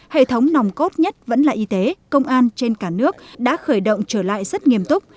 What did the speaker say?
hệ thống nòng cốt nhất vẫn là y tế công an trên cả nước đã khởi động trở lại rất nghiêm túc